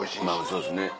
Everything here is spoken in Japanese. そうですね